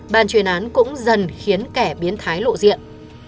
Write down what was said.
bàn chuyên án cũng dần khiến kẻ biến thái lộ diện